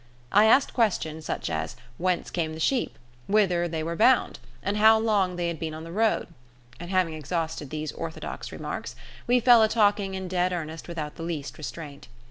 I asked questions such as whence came the sheep? whither were they bound? and how long had they been on the road? And having exhausted these orthodox remarks, we fell a talking in dead earnest without the least restraint.